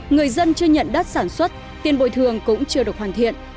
người dân chưa nhận đất sản xuất tiền bồi thường cũng chưa được hoàn thiện